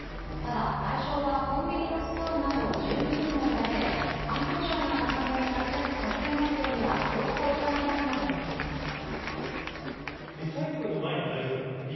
ただ、対象はコンビニのスプーンなど１２品目だけで環境省が掲げる削減目標には遠く及ばない中身となっています。